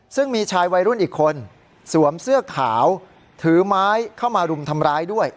ซึ่งมีชายวัยรุ่นอีกคนสวมเสื้อขาวถือไม้เข้ามารุมทำร้ายด้วย